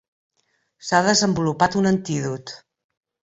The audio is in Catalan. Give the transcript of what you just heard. S'ha desenvolupat un antídot.